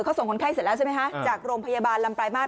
เขาส่งคนไข้เสร็จแล้วใช่ไหมคะจากโรงพยาบาลลำปลายมาส